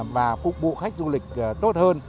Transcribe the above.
và phục vụ khách du lịch tốt hơn